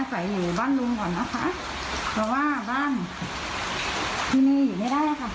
ใส่อยู่บ้านลุงก่อนนะคะเพราะว่าบ้านที่นี่อยู่ไม่ได้แล้วค่ะ